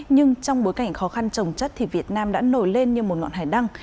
nhưng trong bối cảnh khó khăn trồng chất thì việt nam đã nổi lên như một ngọn hải đăng